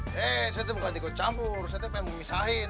hei saya itu bukan ikut campur saya tuh pengen memisahin